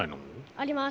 あります。